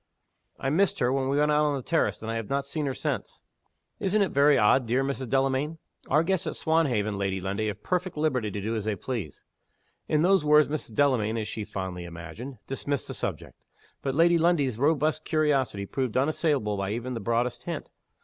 "I missed her when we went out on the terrace, and I have not seen her since." "Isn't it very odd, dear Mrs. Delamayn?" "Our guests at Swanhaven, Lady Lundie, have perfect liberty to do as they please." In those words Mrs. Delamayn (as she fondly imagined) dismissed the subject. But Lady Lundie's robust curiosity proved unassailable by even the broadest hint.